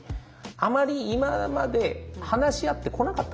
あまり今まで話し合ってこなかったんですって。